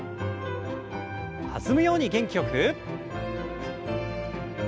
弾むように元気よく。